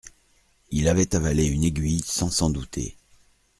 Il avait avalé une aiguille, sans s’en douter…